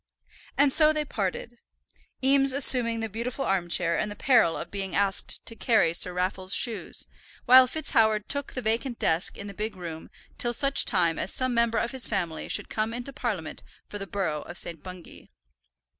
And so they parted, Eames assuming the beautiful arm chair and the peril of being asked to carry Sir Raffle's shoes, while FitzHoward took the vacant desk in the big room till such time as some member of his family should come into Parliament for the borough of St. Bungay.